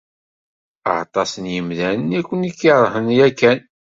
Aṭas n yemdanen i kem-ikeṛhen yakan.